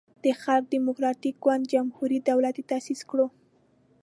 د خلق دیموکراتیک ګوند جمهوری دولت یی تاسیس کړو.